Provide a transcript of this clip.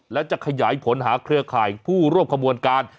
และจะขยายผลหาเครือข่ายผู้ร่วมขบวนการ